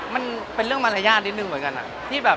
มันเป็นเรื่องมารยาทนิดนึงเหมือนกัน